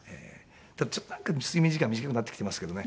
ただちょっと睡眠時間短くなってきてますけどね。